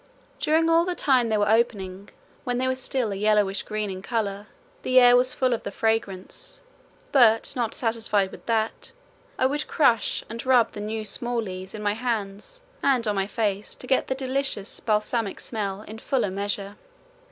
During all the time they were opening, when they were still a yellowish green in colour, the air was full of the fragrance, but not satisfied with that I would crush and rub the new small leaves in my hands and on my face to get the delicious balsamic smell in fuller measure.